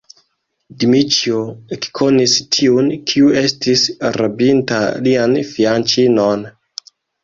Dmiĉjo ekkonis tiun, kiu estis rabinta lian fianĉinon.